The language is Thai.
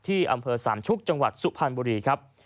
อำเภอสามชุกจังหวัดสุพรรณบุรีครับ